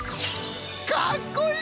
かっこいい！